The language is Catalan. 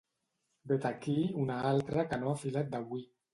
Vet aquí una altra que no ha filat d'avui.